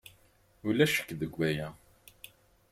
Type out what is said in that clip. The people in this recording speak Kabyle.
Ulac ccek deg waya.